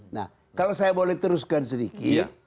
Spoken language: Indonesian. nah kalau saya boleh teruskan sedikit